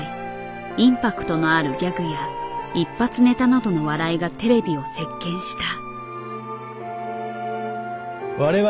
インパクトのあるギャグや一発ネタなどの笑いがテレビを席巻した。